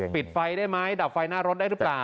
ปิดไฟได้ไหมดับไฟหน้ารถได้หรือเปล่า